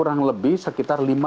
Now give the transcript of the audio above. dan sampai sekarang hampir tidak